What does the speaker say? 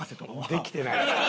できてない。